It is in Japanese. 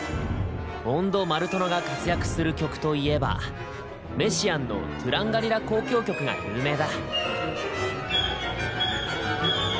オンド・マルトノが活躍する曲といえばメシアンの「トゥランガリラ交響曲」が有名だ。